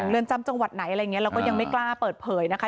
เรือนจำจังหวัดไหนอะไรอย่างนี้เราก็ยังไม่กล้าเปิดเผยนะคะ